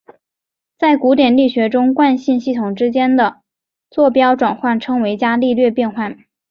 在古典力学里惯性系统之间的座标转换称为伽利略变换。